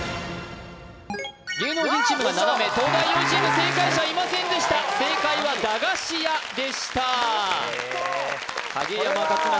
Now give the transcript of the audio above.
芸能人チームが７名東大王チーム正解者いませんでした正解は駄菓子屋でした影山勝俣